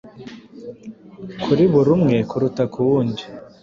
kuri buri umwe kuruta kuwundi